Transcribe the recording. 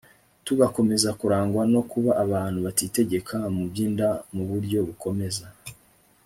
tugakomeza kurangwa no kuba abantu batitegeka mu by'inda mu buryo bukomeza